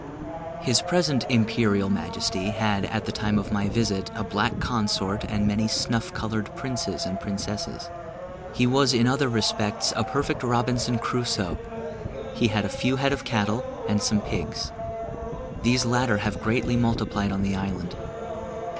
His present Imperial Majesty had, at the time of my visit, a black consort, and many snuff coloured princes and princesses. He was in other respects a perfect Robinson Crusoe; he had a few head of cattle, and some pigs; these latter have greatly multiplied on the island.